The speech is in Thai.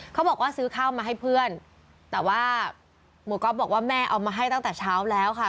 เขาบอกว่าซื้อข้าวมาให้เพื่อนแต่ว่าหมู่ก๊อฟบอกว่าแม่เอามาให้ตั้งแต่เช้าแล้วค่ะ